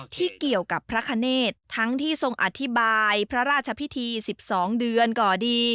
ที่เกี่ยวกับพระคเนธทั้งที่ทรงอธิบายพระราชพิธี๑๒เดือนก่อดี